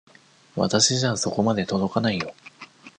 私じゃそこまで届かないよ。